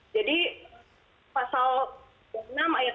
jadi pasal enam ayat enam